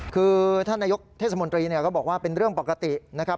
คือท่านนายกเทศมนตรีก็บอกว่าเป็นเรื่องปกตินะครับ